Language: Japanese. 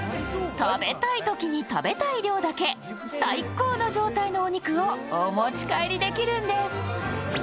食べたいときに食べたい量だけ最高の状態のお肉をお持ち帰りできるんです。